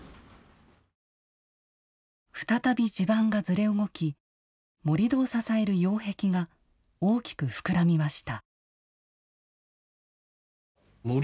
再び地盤がずれ動き盛土を支える擁壁が大きく膨らみました。